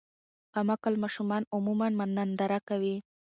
کم عقل ماشومان عموماً ننداره کوي.